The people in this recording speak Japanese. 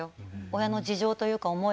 親の事情というか思い。